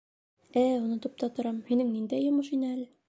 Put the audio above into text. Ээ, онотоп та торам, һинең ниндәй йомош ине әле?